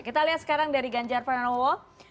kita lihat sekarang dari ganjar pranowo